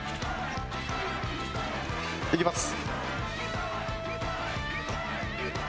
いきます。